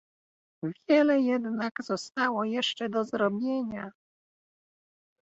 Wiele jednak zostało jeszcze do zrobienia